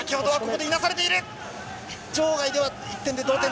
場外では１点で同点。